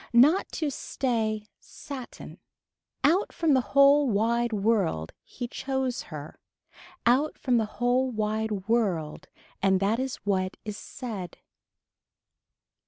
Not to stay satin. Out from the whole wide world he chose her. Out from the whole wide world and that is what is said.